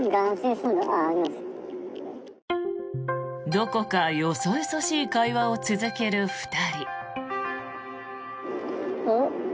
どこかよそよそしい会話を続ける２人。